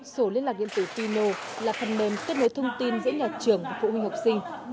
sổ liên lạc điện tử fino là phần mềm kết nối thông tin giữa nhà trường và phụ huynh học sinh